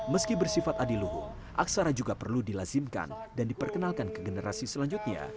meski bersifat adiluhu aksara juga perlu dilazimkan dan diperkenalkan ke generasi selanjutnya